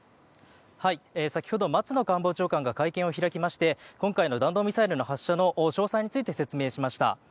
先ほど松野官房長官が会見を開きまして今回の弾道ミサイルの発射の詳細について説明しました。